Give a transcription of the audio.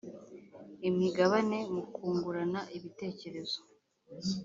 imigabane mu kungurana ibitekerezo